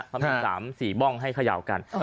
พร้อมสีบ้องให้เขย่ากัน